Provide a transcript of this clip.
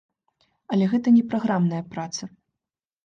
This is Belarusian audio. Але гэта не праграмная праца.